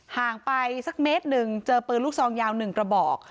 ห่างไปสักเมตรหนึ่งเจอปืนลูกซองยาว๑กระบอก